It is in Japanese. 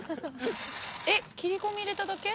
えっ切り込み入れただけ？